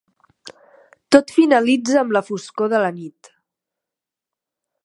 Tot finalitza amb la foscor de la nit.